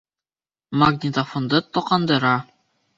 Магнитофонды тоҡандыра.